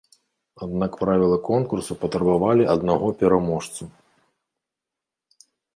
Аднак правілы конкурсу патрабавалі аднаго пераможцу.